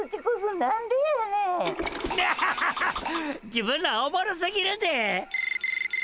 自分らおもろすぎるで！